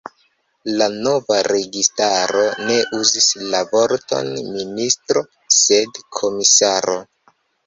La nova registaro ne uzis la vorton „ministro”, sed komisaro.